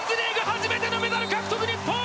初めてのメダル獲得、日本。